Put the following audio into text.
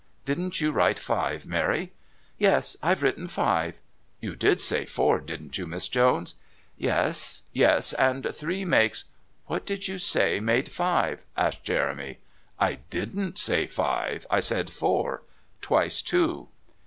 Didn't you write five, Mary?" "Yes, I've written five. You did say four, didn't you, Miss Jones?" "Yes yes. And three makes " "What did you say made five?" asked Jeremy. "I didn't say five. I said four. Twice two."